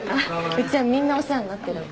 うちはみんなお世話になってるの。